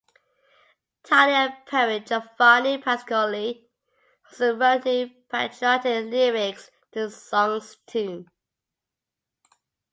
Italian poet Giovanni Pascoli also wrote new, patriotic lyrics to the song's tune.